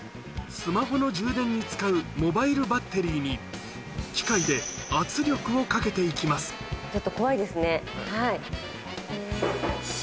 スマホの充電に使うモバイルバッテリーに、機械で圧力をかけていきます。